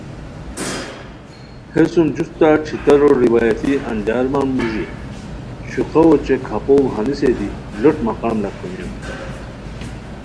ہیسوم جوستہ ݯھترارو روایتی انجارمان موژی شوقہ اوچے کپھوڑ ہنیسن دی لوٹ مقام لاکھونیان